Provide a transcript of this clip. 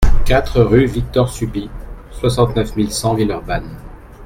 quatre rue Victor Subit, soixante-neuf mille cent Villeurbanne